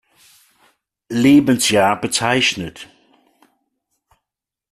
Lebensjahr bezeichnet.